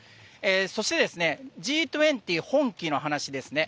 そして、Ｇ２０ほんきの話ですね。